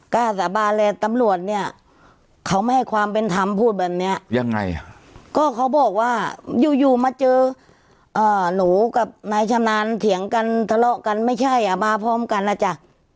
กล้าสาบานเลยตำรวจเนี่ยเขาไม่ให้ความเป็นธรรมพูดแบบเนี้ยยังไงก็เขาบอกว่าอยู่อยู่มาเจอหนูกับนายชำนาญเถียงกันทะเลาะกันไม่ใช่อ่ะมาพร้อมกันนะจ๊ะ